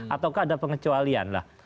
ataukah ada pengecualian lah